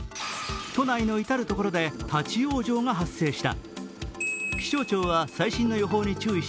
都内の至る所で立往生が発生した。